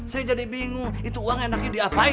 saya jadi bingung itu uang enaknya diapain